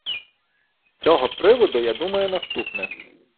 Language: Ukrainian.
З цього приводу я думаю наступне.